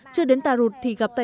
chưa đến tà rụt thì gặp cháu